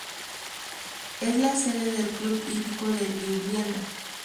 Es la sede del club hípico de Liubliana.